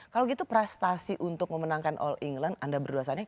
kalau gitu prestasi untuk memenangkan all england anda berdua saja